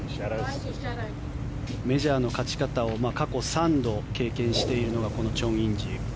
メジャーの勝ち方を過去３度経験しているのがこのチョン・インジ。